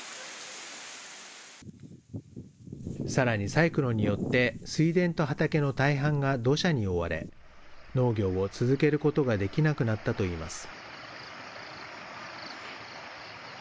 さらにサイクロンによって、水田と畑の大半が土砂に覆われ、農業を続けることができなくなったといいます。